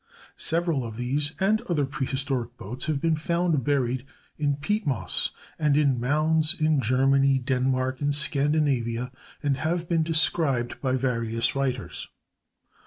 Several of these and other prehistoric boats have been found buried in peat moss and in mounds in Germany, Denmark, and Scandinavia, and have been described by various writers.